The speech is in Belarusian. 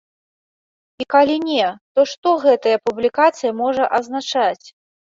І калі не, то што гэтая публікацыя можа азначаць?